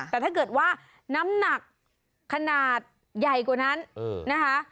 แต่ถ้าเกิดว่าน้ำหนักขนาดใหญ่กว่านั้นนะคะ